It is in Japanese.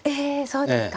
そうですか。